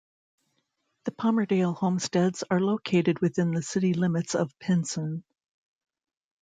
The Palmerdale Homesteads are located within the city limits of Pinson.